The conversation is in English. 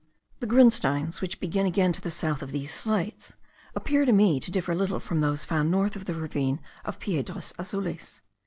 The grunsteins, which begin again to the south of these slates, appear to me to differ little from those found north of the ravine of Piedras Azules.